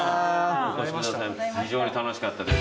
非常に楽しかったです。